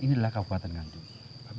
ini adalah kabupaten nganjuk